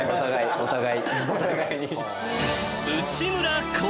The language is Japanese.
お互い。